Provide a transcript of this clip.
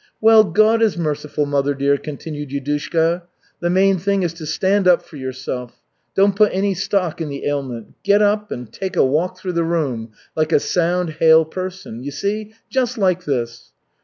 "Well, God is merciful, mother dear," continued Yudushka. "The main thing is to stand up for yourself. Don't put any stock in the ailment. Get up and take a walk through the room, like a sound, hale person. You see, just like this."